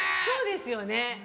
そうですよね。